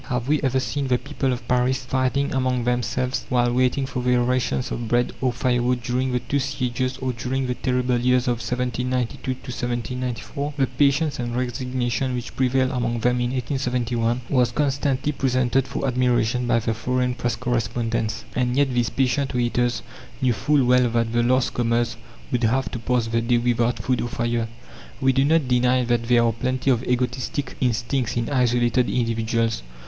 Have we ever seen the people of Paris fighting among themselves while waiting for their rations of bread or firewood during the two sieges or during the terrible years of 1792 1794? The patience and resignation which prevailed among them in 1871 was constantly presented for admiration by the foreign Press correspondents; and yet these patient waiters knew full well that the last comers would have to pass the day without food or fire. We do not deny that there are plenty of egotistic instincts in isolated individuals.